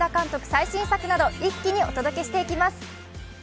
最新作など一気にお届けしていきます。